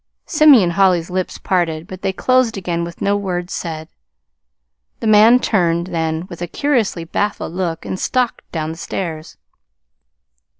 Simeon Holly's lips parted, but they closed again with no words said. The man turned then, with a curiously baffled look, and stalked down the stairs.